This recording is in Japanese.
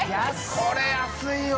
これ安いわ。